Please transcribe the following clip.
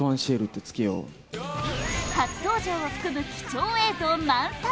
初登場を含む貴重映像満載！